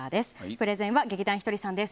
プレゼンは劇団ひとりさんです。